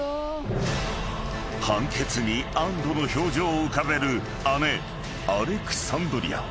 ［判決に安堵の表情を浮かべる姉アレクサンドリア］